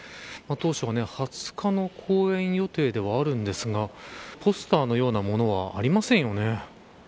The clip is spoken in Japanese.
当初は２０日の公演予定ではあるんですがポスターのようなものはありませんよね。